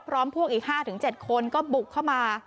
พร้อมพวกอีก๕๗คนก็บุกเข้ามา